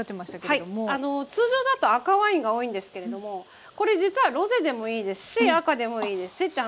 通常だと赤ワインが多いんですけれどもこれ実はロゼでもいいですし赤でもいいですしって話なんですよね。